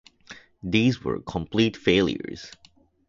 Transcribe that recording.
These were complete failures.